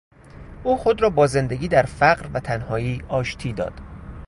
او خود را با زندگی در فقر و تنهایی آشتی داد.